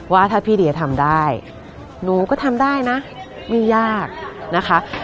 ว่าถ้าพี่เดียทำได้หนูก็ทำได้นะไม่ยากนะคะ